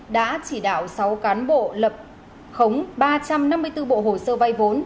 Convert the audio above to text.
đã chỉ đạo sáu cán bộ lập khống ba trăm năm mươi bốn bộ hồ sơ vay vốn